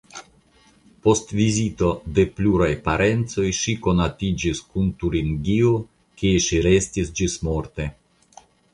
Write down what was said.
Post vizito de pluraj parencoj ŝi konatiĝis kun Turingio kie ŝi restis ĝismorte.